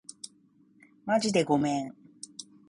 まじでごめん